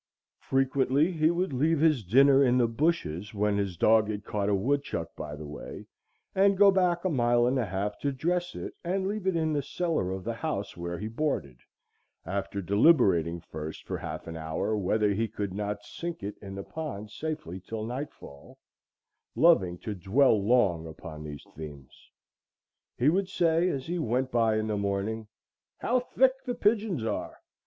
Frequently he would leave his dinner in the bushes, when his dog had caught a woodchuck by the way, and go back a mile and a half to dress it and leave it in the cellar of the house where he boarded, after deliberating first for half an hour whether he could not sink it in the pond safely till nightfall,—loving to dwell long upon these themes. He would say, as he went by in the morning, "How thick the pigeons are!